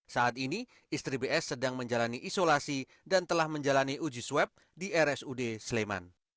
saat ini istri bs sedang menjalani isolasi dan telah menjalani uji swab di rsud sleman